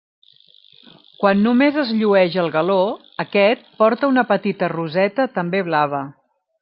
Quan només es llueix el galó, aquest porta una petita roseta també blava.